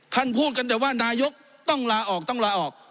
พูดกันแต่ว่านายกต้องลาออกต้องลาออก